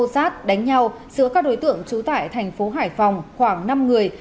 sát đánh nhau giữa các đối tượng trú tại tp hải phòng khoảng năm người